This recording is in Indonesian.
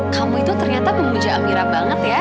kamu itu ternyata memuja amirah banget ya